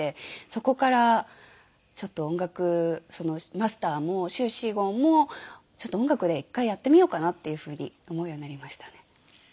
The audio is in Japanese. そこからちょっと音楽マスターも修士号もちょっと音楽で１回やってみようかなっていう風に思うようになりましたね。